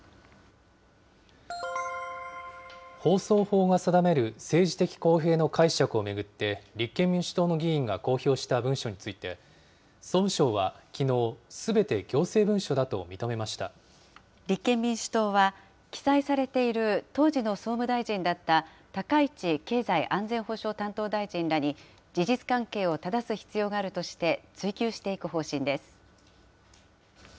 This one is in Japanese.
放送法が定める政治的公平の解釈を巡って、立憲民主党の議員が公表した文書について、総務省はきのう、立憲民主党は、記載されている当時の総務大臣だった高市経済安全保障担当大臣らに、事実関係をただす必要があるとして、追及していく方針です。